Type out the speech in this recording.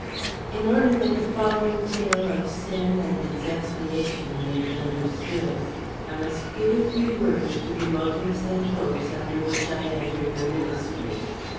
_" In order that the following tale of sin and its expiation may be understood, I must give a few words to the motives and hopes under which I entered the ministry.